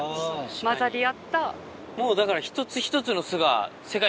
もうだから。